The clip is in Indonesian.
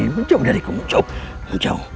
menjauh dariku menjauh